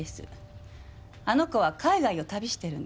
あの子は海外を旅してるんです。